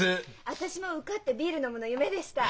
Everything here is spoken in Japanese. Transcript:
私も受かってビール飲むの夢でした。